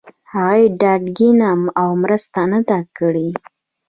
هغسې ډاډ ګيرنه او مرسته نه ده کړې